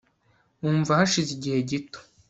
wumva hashize igihe gito